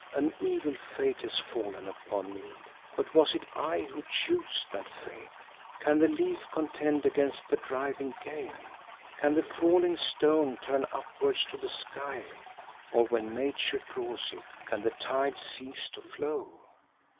An evil fate has fallen upon me, but was it I who chose that fate? Can the leaf contend against the driving gale? Can the falling stone turn upwards to the sky, or when Nature draws it, can the tide cease to flow?